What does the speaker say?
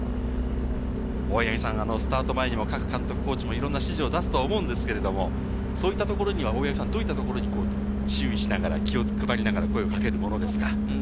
大八木さん、スタート前にも各監督、コーチも指示を出すと思いますが、そういったところにはどういったところに注意しながら、気を配りながら声をかけるものですか？